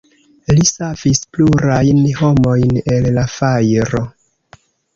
Li savis plurajn homojn el la fajro.